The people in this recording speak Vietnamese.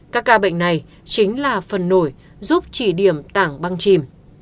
các ca bệnh này chính là phần nổi giúp chỉ điểm tảng băng chìm